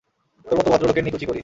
তোর মতো ভদ্রলোকের নিকুচি করি!